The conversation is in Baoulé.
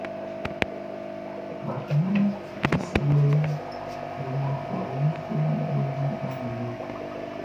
Bakannganʼm be srilɛʼn yo maan klɔʼn i nunfuɛʼm be di aklunjuɛ.